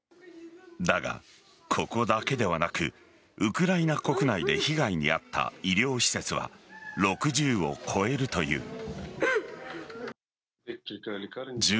だが、ここだけではなくウクライナ国内で被害に遭った医療施設は、６０を超えるという。